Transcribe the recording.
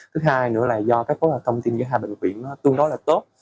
thứ hai nữa là do các công ty giữa hai bệnh viện tương đối là tốt